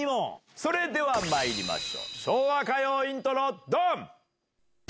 それではまいりましょう、昭和歌謡イントロドン！